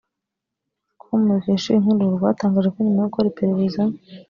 com dukesha iyi nkuru rwatangaje ko nyuma yo gukora iperereza